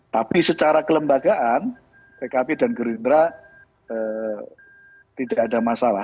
tapi secara kelembagaan pkb dan gerindra tidak ada masalah